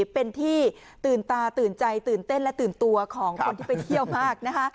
เป็นที่ตื่นตาตื่นใจตื่นเต้นและตื่นตัวของคนที่ไปเที่ยวมากนะคะ